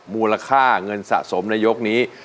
มูลค่าเงินสะสมในยกนี้